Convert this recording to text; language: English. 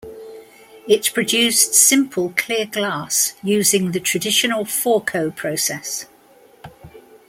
It produced simple clear glass using the traditional Fourcault Process.